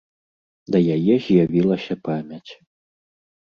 Да яе з'явілася памяць.